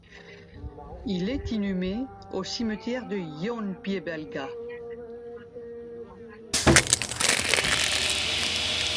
Il est inhumé au cimetière de Jaunpiebalga.